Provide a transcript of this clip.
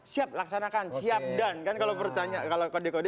siap laksanakan siap done kalau kode kode